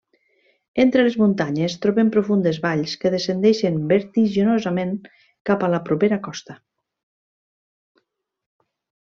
Entre les muntanyes trobem profundes valls que descendeixen vertiginosament cap a la propera costa.